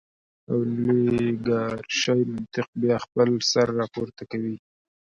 د اولیګارشۍ منطق بیا خپل سر راپورته کوي.